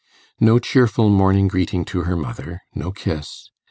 No cheerful morning greeting to her mother no kiss.